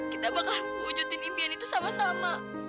kita bakal mewujudkan impian itu sama sama